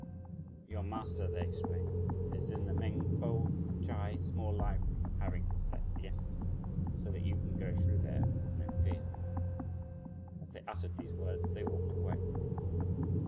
"Your master," they explained, "is in the Meng P'o Chai small library having his siesta; so that you can go through there with no fear." As they uttered these words, they walked away.